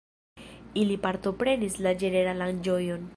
Ili partoprenis la ĝeneralan ĝojon.